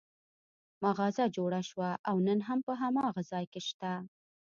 مغازه جوړه شوه او نن هم په هماغه ځای کې شته.